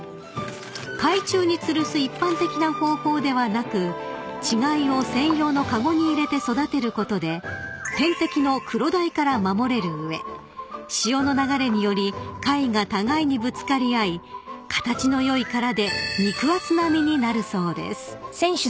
［海中につるす一般的な方法ではなく稚貝を専用の籠に入れて育てることで天敵のクロダイから守れる上潮の流れにより貝が互いにぶつかり合い形の良い殻で肉厚な身になるそうです］